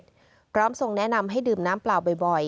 ทุนกรมอ่อมหญิงอุบลรัฐราชกัญญาสรีวัฒนาพันธวดี